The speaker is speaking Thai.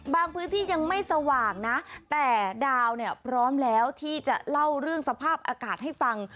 พื้นที่ยังไม่สว่างนะแต่ดาวเนี่ยพร้อมแล้วที่จะเล่าเรื่องสภาพอากาศให้ฟัง